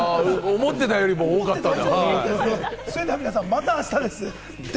思ってたよりも多かったので。